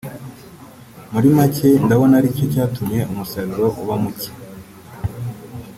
muri make ndabona ari cyo cyatumye umusaruro uba muke